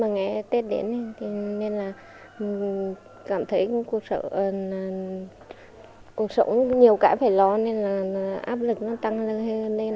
nên là cảm thấy cuộc sống nhiều cái phải lo nên là áp lực nó tăng lên